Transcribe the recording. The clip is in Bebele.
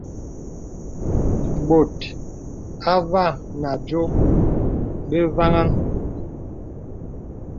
Bòt àvā nà àdiò bə vaŋhaŋ.